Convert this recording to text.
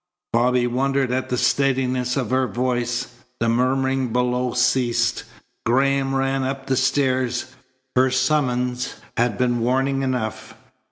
Bobby wondered at the steadiness of her voice. The murmuring below ceased. Graham ran up the stairs. Her summons had been warning enough.